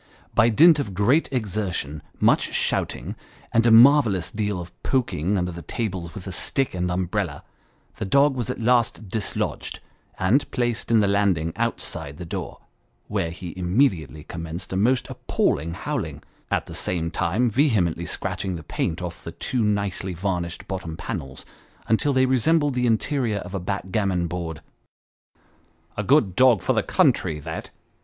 By dint of great exertion, much shouting, and a marvellous deal of poking under the tables with a stick and umbrella, the dog was at last dislodged, and Mr. Minns invited to Mr. Sudden's. 237 placed on the landing outside the door, where he immediately com menced a most appalling howling; at the same time vehemently scratching the paint off the two nicely varnished bottom panels, until they resembled the interior of a backgammon board. " A good dog for the country that